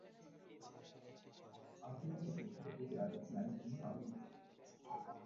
আর জিজ্ঞাসা করেছিল কে কে আরটিআই-এর জন্য আবেদন করেছে।